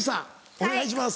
お願いします。